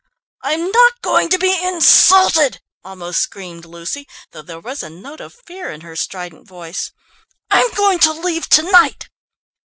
"I'm not going to be insulted," almost screamed Lucy, though there was a note of fear in her strident voice. "I'm going to leave to night."